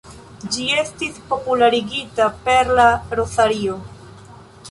Ĝi estis popularigita per la rozario.